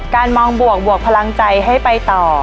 การมองบวกบวกพลังใจให้ไปต่อ